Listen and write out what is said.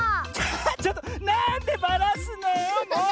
ちょっとなんでばらすのよもう！